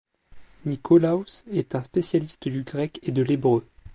Nikolaus est un spécialiste du grec et de l'hébreu.